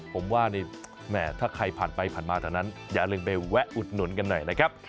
ผมว่านี่แหมถ้าใครผ่านไปผ่านมาแถวนั้นอย่าลืมไปแวะอุดหนุนกันหน่อยนะครับ